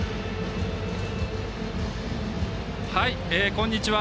こんにちは。